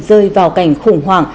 rơi vào cảnh khủng hoảng